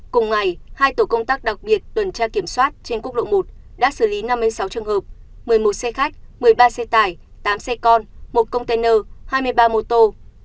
cùng ngày hai tổ công tác đặc biệt tuần tra kiểm soát trên quốc lộ một đã xử lý năm mươi sáu trường hợp một mươi một xe khách một mươi ba xe tải tám xe con một container hai mươi ba mô tô